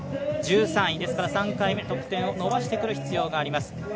ですから３回目、得点を伸ばしてくる必要があります。